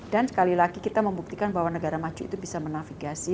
dan sekali lagi kita membuktikan bahwa negara maju itu bisa menafigasi